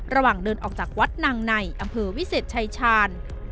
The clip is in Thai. ระหว่างเดินออกจากวัดนางในอำเภอวิเศษชายชาญ